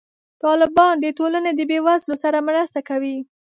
طالبان د ټولنې د بې وزلو سره مرسته کوي.